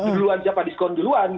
duluan siapa diskon duluan